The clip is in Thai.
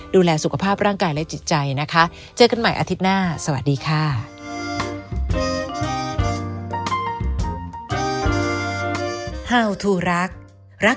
ดูแลสุขภาพร่างกายและจิตใจนะคะเจอกันใหม่อาทิตย์หน้าสวัสดีค่ะ